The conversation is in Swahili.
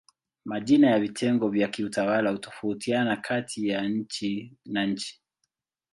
Majina ya vitengo vya kiutawala hutofautiana kati ya nchi na nchi.